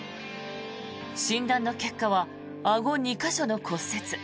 診断の結果はあご２か所の骨折。